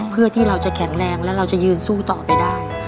เพื่อที่เราจะแข็งแรงและเราจะยืนสู้ต่อไปได้